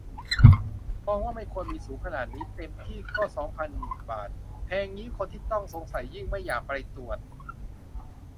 มองว่าไม่ควรมี สูงขนาดนี้ เต็มที่ก็สองพันบาท แพงงี้คนที่ต้องสงสัยยิ่งไม่อยากไปตรวจ